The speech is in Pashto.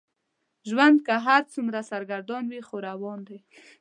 ژوند که هر څومره سرګردان دی خو روان دی.